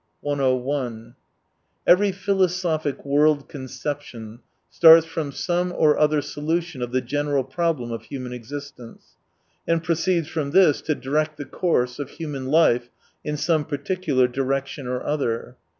Ill , lOI Every philosophic world conception starts from some or other solution of the general problem of human existence, and proceeds from this to direct the course of human life in some particular direction or other.